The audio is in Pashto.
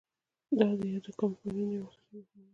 دا د یادو کمپاینونو یو اساسي او مهم هدف دی.